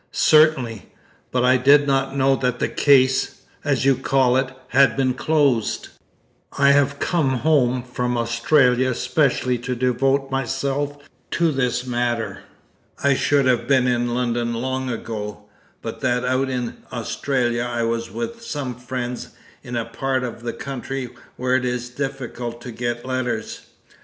"Certainly; but I did not know that the case as you call it had been closed. I have come home from Australia especially to devote myself to this matter. I should have been in London long ago, but that out in Australia I was with some friends in a part of the country where it is difficult to get letters.